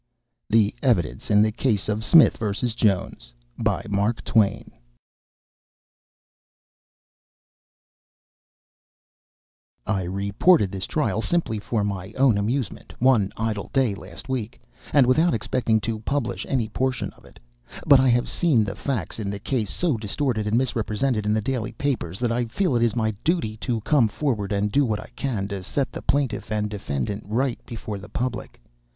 THE EVIDENCE IN THE CASE OF SMITH VS. JONES BY SAMUEL L. CLEMENS I reported this trial simply for my own amusement, one idle day last week, and without expecting to publish any portion of it but I have seen the facts in the case so distorted and misrepresented in the daily papers that I feel it my duty to come forward and do what I can to set the plaintiff and defendant right before the public.